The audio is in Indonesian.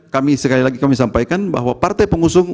kami sekali lagi kami sampaikan bahwa partai pengusung